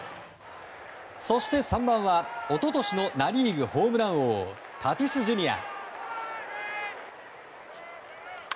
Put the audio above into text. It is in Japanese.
そして、３番は一昨年のナ・リーグホームラン王タティスＪｒ．。